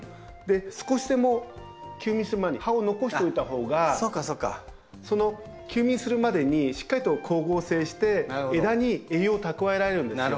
少しでも休眠する前に葉を残しておいたほうが休眠するまでにしっかりと光合成して枝に栄養を蓄えられるんですよ。